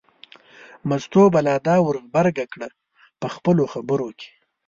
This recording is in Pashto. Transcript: مستو به لا دا ور غبرګه کړه په خپلو خبرو کې.